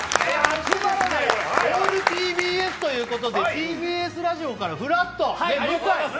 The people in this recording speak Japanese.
オールＴＢＳということで、ＴＢＳラジオからふらっと向井。